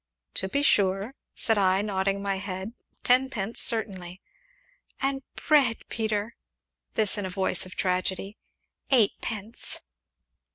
"To be sure," said I, nodding my head, "tenpence, certainly." "And bread, Peter" (this in a voice of tragedy) " eightpence."